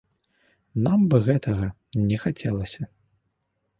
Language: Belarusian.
Нам бы гэтага не хацелася.